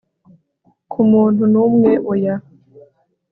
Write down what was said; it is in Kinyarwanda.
ku muntu n'umwe oya